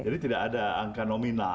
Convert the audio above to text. jadi tidak ada angka nominal